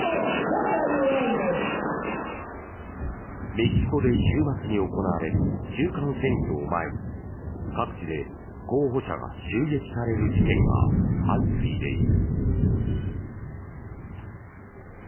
メキシコで週末に行われる中間選挙を前に各地で候補者が襲撃される事件が相次いでいる。